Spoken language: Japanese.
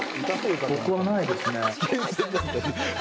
僕はないですね。